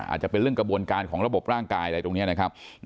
อาจจะเป็นเรื่องกระบวนการของระบบร่างกายอะไรตรงนี้นะครับ